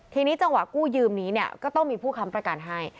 ทีนี้จังหวะกู้ยืมนี้เนี่ยก็ต้องมีผู้ค้ำประกันให้